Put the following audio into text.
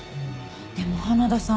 でも花田さん